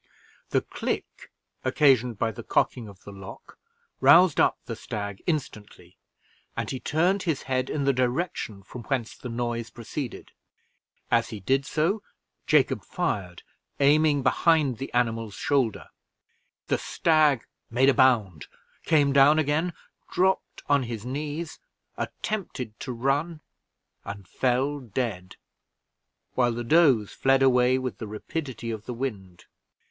The click occasioned by the cocking of the lock roused up the stag instantly, and he turned his head in the direction from whence the noise proceeded; as he did so Jacob fired, aiming behind the animal's shoulder: the stag made a bound, came down again, dropped on his knees, attempted to run, and fell dead, while the does fled away with the rapidity of the wind.